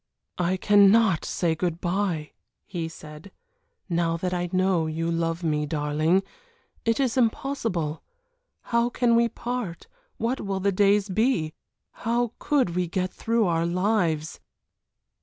"I cannot say good bye," he said, "now that I know you love me, darling; it is impossible. How can we part what will the days be how could we get through our lives?"